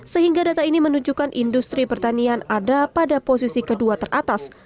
sehingga data ini menunjukkan industri pertanian ada pada posisi kedua teratas